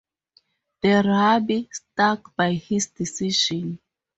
The rabbi stuck by his decision.